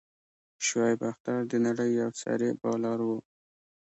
شعیب اختر د نړۍ یو سريع بالر وو.